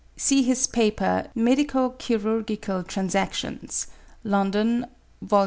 See his paper, 'Medico Chirurgical Transactions,' London, vol.